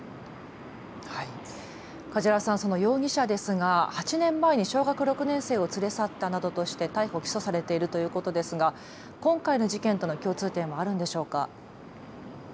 梶原さん、その容疑者ですが８年前に小学６年生を連れ去ったなどとして逮捕・起訴されているということですが今回の事件との共通点はあるんでしょうか。